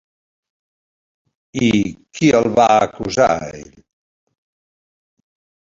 I qui el va acusar a ell?